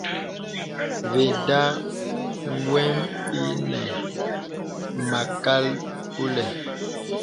Və̀da gwe inə mâkal kulə̀.